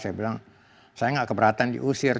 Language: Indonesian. saya bilang saya nggak keberatan diusir